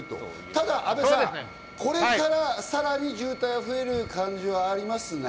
ただ阿部さん、これからさらに渋滞は増える感じはありますね。